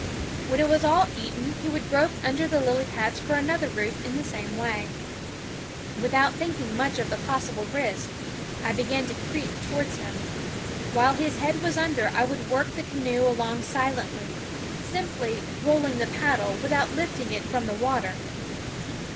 When it was all eaten he would grope under the lily pads for another root in the same way. Without thinking much of the possible (' y risk, I began to creep towards him. While , his head was under I would work the canoe along silently, simply " rolling the paddle " without lifting it from the water.